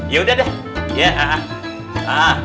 ya udah deh